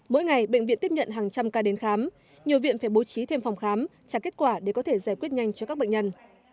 mỗi ngày bệnh viện tiếp nhận hàng trăm ca đến khám nhiều viện phải bố trí thêm phòng khám trả kết quả để có thể giải quyết nhanh cho các bệnh nhân